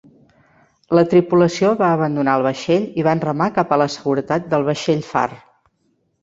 La tripulació va abandonar el vaixell i van remar cap a la seguretat del vaixell far.